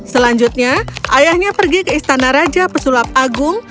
selanjutnya ayahnya pergi ke istana raja pesulap agung